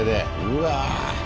うわ。